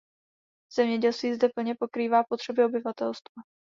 Zemědělství zde plně pokrývá potřeby obyvatelstva.